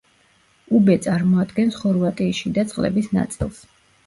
უბე წარმოადგენს ხორვატიის შიდა წყლების ნაწილს.